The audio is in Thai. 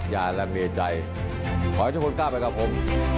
อย่าละเมียใจขอให้ทุกคนก้าวไปกับผม